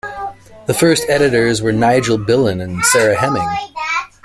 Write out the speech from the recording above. The first editors were Nigel Billen and Sarah Hemming.